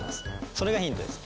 それがヒントです。